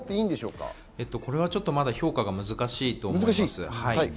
これはまだ評価が難しいと思います。